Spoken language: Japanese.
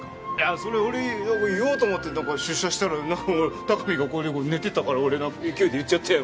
それ言おうと思って出社したら高見がここで寝てたから俺勢いで言っちゃったよ